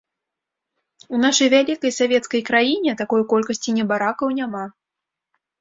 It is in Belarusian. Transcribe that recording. У нашай вялікай савецкай краіне такой колькасці небаракаў няма!